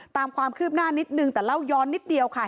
ตามความคืบหน้านิดนึงแต่เล่าย้อนนิดเดียวค่ะ